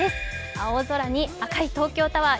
青空に赤い東京タワー